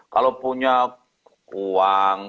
kalau punya uang